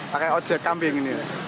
pakai ojek kambing ini